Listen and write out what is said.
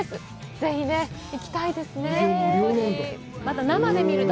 ぜひ行きたいですね。